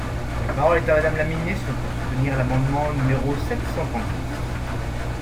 La parole est à Madame la ministre, pour soutenir l’amendement numéro sept cent trente-six.